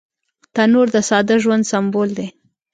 تنور د ساده ژوند سمبول دی